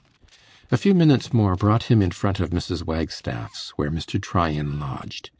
A few minutes more brought him in front of Mrs. Wagstaff's, where Mr. Tryan lodged.